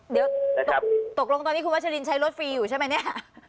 เดี๋ยวตกลงตอนนี้คุณวัชลินใช้รถฟรีอยู่ใช่ไหมเนี่ย